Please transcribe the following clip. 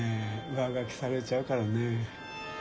上書きされちゃうからね。